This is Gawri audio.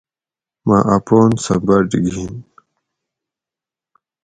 مہ اپون سہۤ بۤٹ گِن